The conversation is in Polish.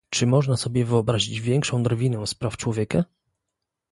Czy można sobie wyobrazić większą drwinę z praw człowieka?